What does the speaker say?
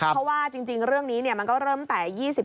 เพราะว่าจริงเรื่องนี้มันก็เริ่มแต่๒๕